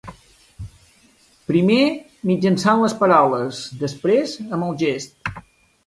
Primer mitjançant les paraules, després amb el gest.